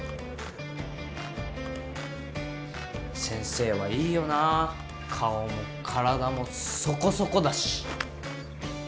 先生はいいよな顔も体もそこそこだし。